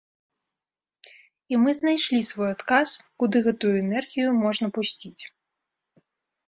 І мы знайшлі свой адказ, куды гэтую энергію можна пусціць.